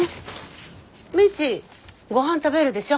未知ごはん食べるでしょ？